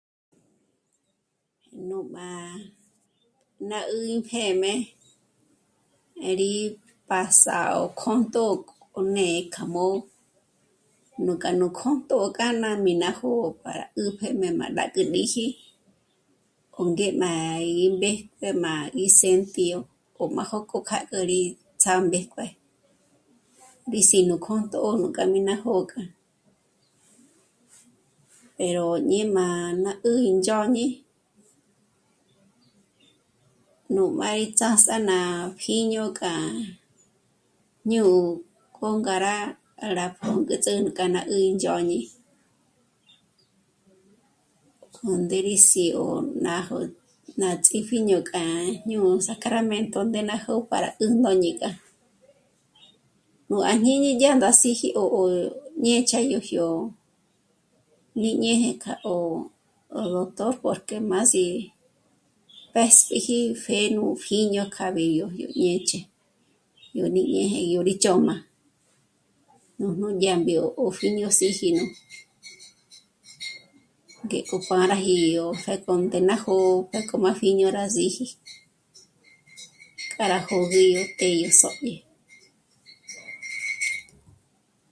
Nú mbá ná 'ù'u ítjë̂me rí pàs'a 'ó kjṓntjo k'o né'e kja m'ò'o nú kja nú kjṓntjo ó kja ná mí ná jó'o para rá 'ä́pjë rá m'a mbä́jm'äk'ü 'íxi 'óngé m'a í mbépje m'a rí sentío o majókò kja rí ts'ámbéjkue, rí si'i nú kjṓntjo k'a mí ná jó'o k'a pero ñí'me ná 'ǜjü índzhôñi nú m'a 'í ts'áts'á ná pjíño k'a jñū̀'ū k'o ngá rá... rá pǔnk'üts'ë́ k'a ná índzhôd'i. Jândé mí rí si'ó nájo ná ts'í pjíño k'a nú kajñó'o à Sacramento ndé ná jó'o para 'ǜndóñi k'a. Nú à jñíni dyá rá síji 'o ñěch'a jyó jñíñěje kja 'o... 'ó doctor porque m'á sí'i pěspjiji pjé nú pjíño ná kja mbíyo yó ñêch'e ñójní rí ñèje yó rí ch'ö̌m'a nújnù dyàmbyo ó pjíño síji nú, ngéko para ji 'ó ja k'o ngé ná jó'o 'o pjéko má pjíño rá síji k'a rá jö̀gi yó të́'ë gí sódye